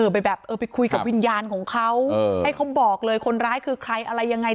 ไปแบบเออไปคุยกับวิญญาณของเขาให้เขาบอกเลยคนร้ายคือใครอะไรยังไง